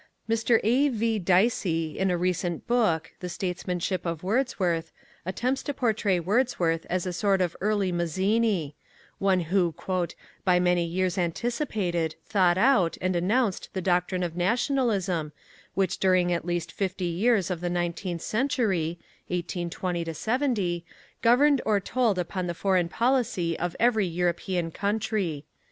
Mr. A.V. Dicey, in a recent book, The Statesmanship of Wordsworth, attempts to portray Wordsworth as a sort of early Mazzini one who "by many years anticipated, thought out, and announced the doctrine of Nationalism, which during at least fifty years of the nineteenth century (1820 70) governed or told upon the foreign policy of every European country."